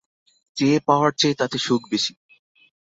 চেয়ে পাওয়ার চেয়ে তাতে সুখ বেশি।